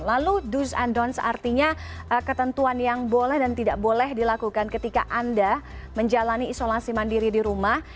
lalu do's and don'ts artinya ketentuan yang boleh dan tidak boleh dilakukan ketika anda menjalani isolasi mandiri di rumah